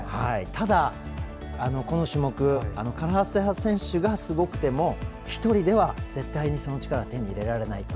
ただ、この種目唐澤選手がすごくても１人では絶対にその力は手に入れられないと。